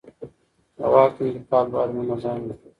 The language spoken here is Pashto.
د واک انتقال باید منظم وي